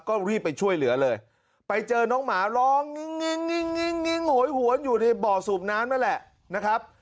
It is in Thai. ก็รีบไปช่วยเหลือเลยไปเจอน้องหมาร้องงิ้งโหยหวนอยู่ในบ่อสูบน้ำนั่นแหละนะครับ